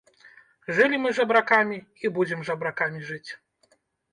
Жылі мы жабракамі і будзем жабракамі жыць.